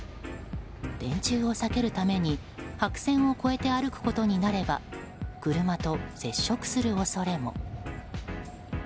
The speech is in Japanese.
電柱を避けるために白線を越えて歩くことになれば車と接触する恐れも。